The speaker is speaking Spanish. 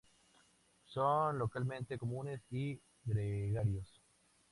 Son localmente comunes, y gregarios.